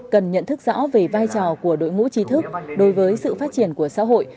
cần nhận thức rõ về vai trò của đội ngũ trí thức đối với sự phát triển của xã hội